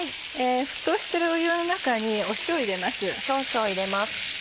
沸騰してる湯の中に塩を入れます。